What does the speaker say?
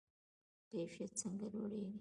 کیفیت څنګه لوړیږي؟